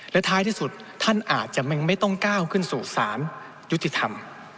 และท้ายที่สุดท่านอาจจะไม่ต้องก้าวขึ้นสู่สารยุติธรรม